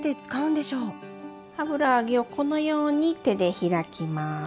油揚げをこのように手で開きます。